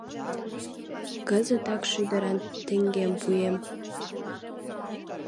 Кызытак шӱдыран теҥгем пуэм.